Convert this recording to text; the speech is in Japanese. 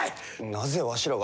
なぜわしらが。